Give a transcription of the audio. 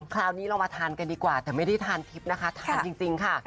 คราวนี้เรามาทานกันดีกว่าแต่ไม่ได้ทานทิพย์นะคะทานจริงค่ะ